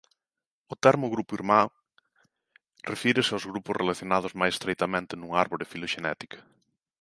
O termo grupo irmán refírese aos grupos relacionados máis estreitamente nunha árbore filoxenética.